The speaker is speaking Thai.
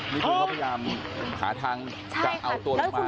มีคนพยายามค้าทางจะเอาตัวลุกมา